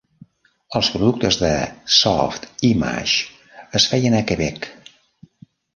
Els productes de Softimage es feien a Quebec.